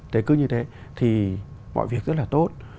thế cứ như thế thì mọi việc rất là tốt